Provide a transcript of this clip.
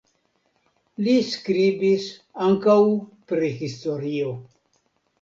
Li skribis ankaŭ pri historio.